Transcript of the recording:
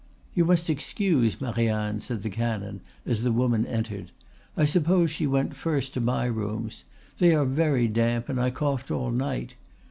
"You must excuse Marianne," said the canon, as the woman entered. "I suppose she went first to my rooms. They are very damp, and I coughed all night.